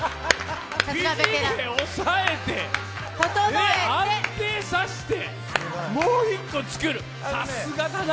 肘で押さえて、安定させて、もう１個作る、さすがだな。